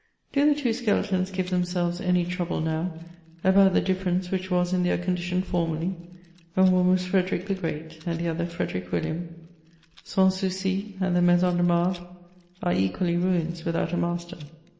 Do the two skeletons give themselves any trouble now about the difference which was in their condition formerly, when one was Frederick the Great, and the other Frederick WilUam ? Sans souci, and the Maison de Marbre, are equally ruins without a master.